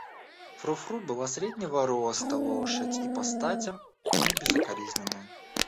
Фру-Фру была среднего роста лошадь и по статям небезукоризненная.